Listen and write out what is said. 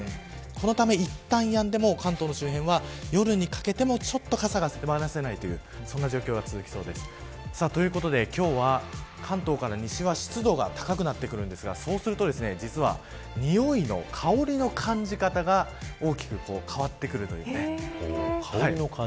このためいったんやんでも関東周辺は夜にかけてもちょっと傘が手放せないという状況が続きそうです。ということで、今日は関東から西は湿度が高くなっているんですがそうするとにおい、香りの感じ方が大きく変わってくる。